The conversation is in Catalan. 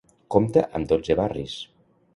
Compta amb dotze barris.